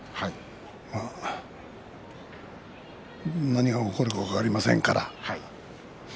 まあ何が起こるか分かりませんから。